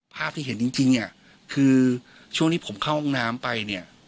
ภาพที่เห็นจริงเนี่ยคือช่วงที่ผมเข้าห้องน้ำไปเนี่ย